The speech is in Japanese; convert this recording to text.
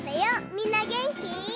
みんなげんき？